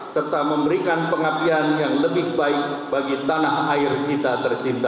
serta memberikan pengabdian yang lebih baik bagi tanah air kita tercinta